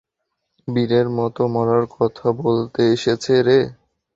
বীরের মতো মরার কথা বলতে এসেছে রে।